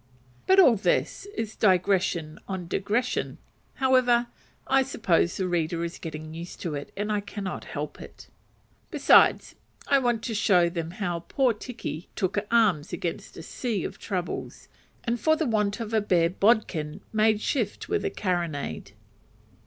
But all this is digression on digression: however, I suppose the reader is getting used to it, and I cannot help it. Besides, I wanted to show them how poor Tiki "took arms against a sea of troubles," and for the want of a "bare bodkin" made shift with a carronade.